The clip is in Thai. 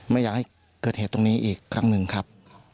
ไม่อยากให้เกิดเหตุตรงนี้อีกครั้งหนึ่งครับ